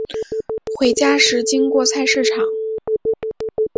回家时经过菜市场